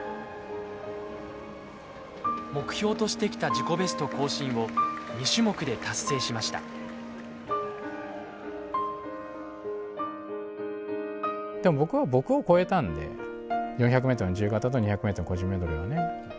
目標としてきた自己ベスト更新を２種目で達成しましたでも４００ｍの自由形と２００ｍの個人メドレーはね。